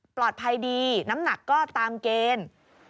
ปลอดภัยดีน้ำหนักก็ตามเกณฑ์